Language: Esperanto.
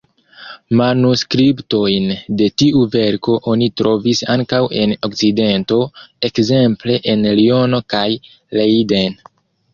Manuskriptojn de tiu verko oni trovis ankaŭ en Okcidento, ekzemple en Liono kaj Leiden.